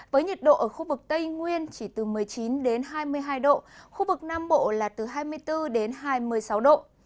với nhiệt độ ở khu vực tây nguyên chỉ từ một mươi chín đến hai mươi hai độ khu vực nam bộ là từ hai mươi bốn đến hai mươi sáu độ